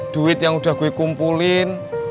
duit yang udah gue kumpulin